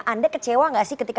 anda kecewa nggak sih ketika